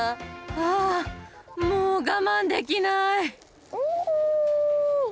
あー、もう我慢できない。